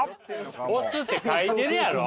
「押す」って書いてるやろ。